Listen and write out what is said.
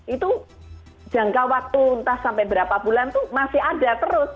itu jangka waktu entah sampai berapa bulan itu masih ada terus